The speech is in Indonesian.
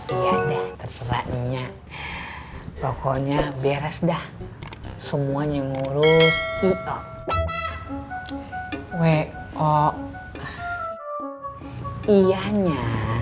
ya ya dah terserahnya pokoknya beres dah semuanya ngurus w o ianya